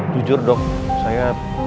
jujur dok saya